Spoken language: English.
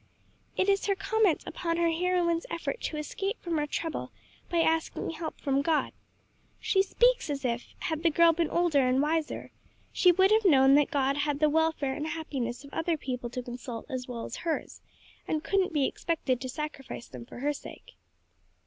"It is her comment upon her heroine's effort to escape from her trouble by asking help from God. She speaks as if, had the girl been older and wiser, she would have known that God had the welfare and happiness of other people to consult as well as hers, and couldn't be expected to sacrifice them for her sake."